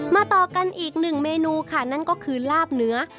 ต่อกันอีกหนึ่งเมนูค่ะนั่นก็คือลาบเนื้อ